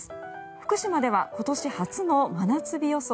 福島では今年初の真夏日予想。